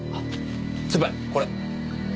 先輩これ。